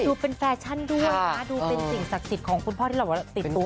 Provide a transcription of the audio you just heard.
ดูเป็นแฟชั่นด้วยนะดูเป็นสิ่งศักดิ์สิทธิ์ของคุณพ่อที่เราติดตัว